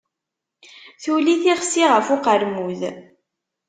Tuli tixsi ɣef uqermud.